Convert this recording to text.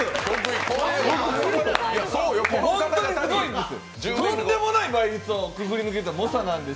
本当にすごいんですよ、とんでもない倍率をくぐり抜けた猛者たちです。